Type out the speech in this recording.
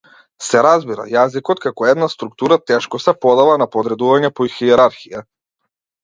Се разбира, јазикот како една структура тешко се подава на подредување по хиерархија.